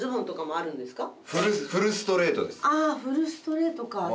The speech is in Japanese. あフルストレートか。